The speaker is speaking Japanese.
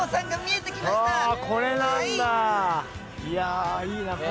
いやいいな。